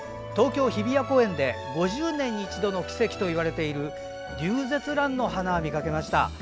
東京・日比谷公園で５０年に一度の奇跡といわれているリュウゼツランの花を見かけました。